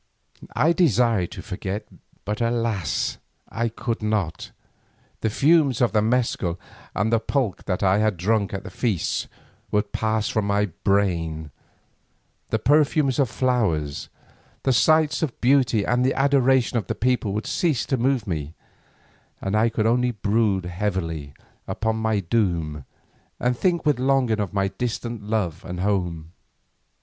I desired to forget, but alas! I could not. The fumes of the mescal and the pulque that I had drunk at feasts would pass from my brain, the perfume of flowers, the sights of beauty and the adoration of the people would cease to move me, and I could only brood heavily upon my doom and think with longing of my distant love and home.